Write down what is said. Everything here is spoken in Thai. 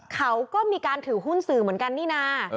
เขาก็มีการถือหุ้นสื่อเหมือนกันนี่นะ